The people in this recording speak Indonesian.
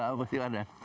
tidak pasti ada